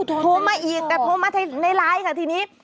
โทรมาอีกแต่โทรมาในไลน์ค่ะทีนี้